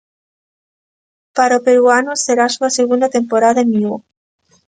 Para o peruano será a súa segunda temporada en Vigo.